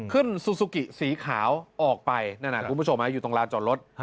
ขึ้นซูซูกิสีขาวออกไปนั่นนะครับคุณผู้ชมอยู่ตรงรถจอดรถ